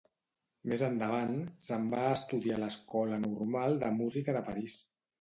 Més endavant, se'n va a estudiar a l'Escola Normal de Música de París.